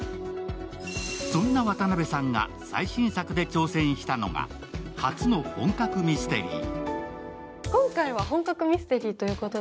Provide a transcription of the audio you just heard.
そんな渡辺さんが最新作で挑戦したのが初の本格ミステリー。